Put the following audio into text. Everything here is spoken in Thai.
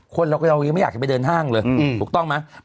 คนเรายังไม่อยากจะไปเดินห้างเลยถูกต้องไหม